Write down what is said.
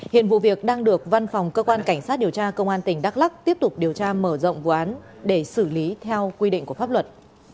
hiện vụ việc đang được văn phòng cơ quan cảnh sát điều tra công an tỉnh đắk lắc tiếp tục điều tra mở rộng vụ án để xử lý theo quy định của pháp luật